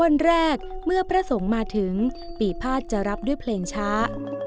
วันแรกเมื่อพระสงฆ์มาถึงปีภาษจะรับด้วยเพลงช้า